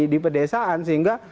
di pedesaan sehingga